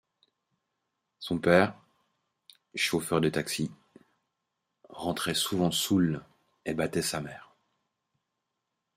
Son père, chauffeur de taxi, rentrait souvent saoul et battait sa mère.